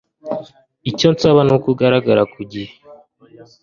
Icyo nsaba nuko ugaragara ku gihe